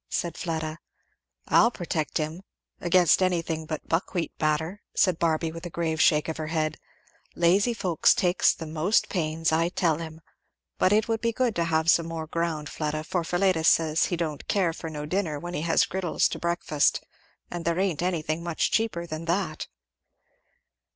said Fleda. "I'll protect him! against anything but buckwheat batter," said Barby with a grave shake of her head. "Lazy folks takes the most pains, I tell him. But it would be good to have some more ground, Fleda, for Philetus says he don't care for no dinner when he has griddles to breakfast, and there ain't anything much cheaper than that."